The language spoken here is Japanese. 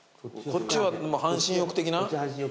こっち半身浴的な。